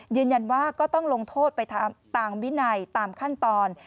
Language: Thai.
ยืนยันว่าก็ต้องลงโทษไปตามวินัยตามขั้นตอน